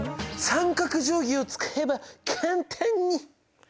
三角定規を使えば簡単に！